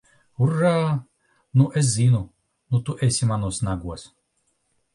Urā! Nu es zinu! Nu tu esi manos nagos!